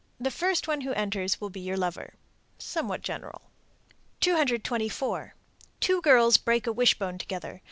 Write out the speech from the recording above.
The first one who enters will be your lover. Somewhat general. 224. Two girls break a wishbone together.